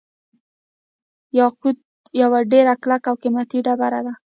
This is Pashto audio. یاقوت یوه ډیره کلکه او قیمتي ډبره ده.